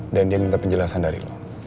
dan dia minta penjelasan dari lo